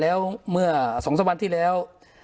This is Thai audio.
แล้วเมื่อ๒๓วันที่แล้ว